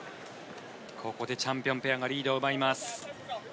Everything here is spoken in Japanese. ここでチャンピオンペアがリードを奪います。